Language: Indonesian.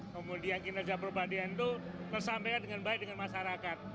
kemudian kinerja perbadian itu tersampaikan dengan baik dengan masyarakat